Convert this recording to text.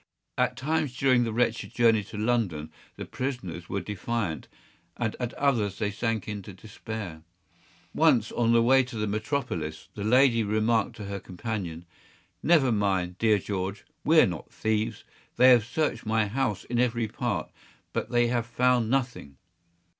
At times during the wretched journey to London the prisoners were defiant, and at others they sank into despair. Once, on the way to the metropolis, the lady remarked to her companion, “Never mind, dear George; we’re not thieves; they have searched my house in every part, but they have found nothing.